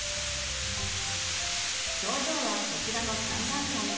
症状はこちらの３段階。